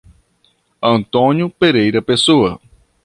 Antônio Pereira Pessoa